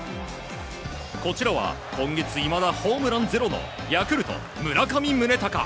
こちらは今月いまだホームランゼロのヤクルト、村上宗隆。